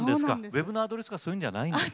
ウェブのアドレスとかそういうんじゃないんですね。